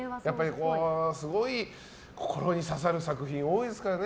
すごい心に刺さる作品多いですからね。